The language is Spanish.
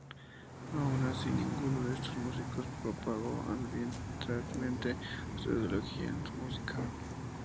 Aun así ninguno de estos músicos propagó abiertamente su ideología en su música.